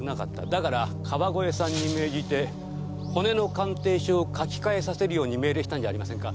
だから川越さんに命じて骨の鑑定書を書き換えさせるように命令したんじゃありませんか？